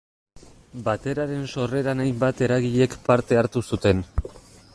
Bateraren sorreran hainbat eragilek parte hartu zuten.